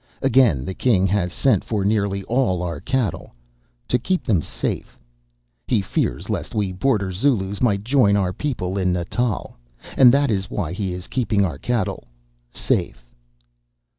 Again, the king has sent for nearly all our cattle "to keep them safe." He fears lest we Border Zulus might join our people in Natal, and that is why he is keeping our cattle "safe."